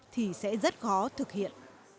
thì sẽ rất khó thực hiện